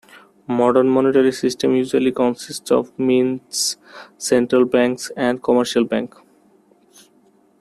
Modern monetary systems usually consist of mints, central banks and commercial banks.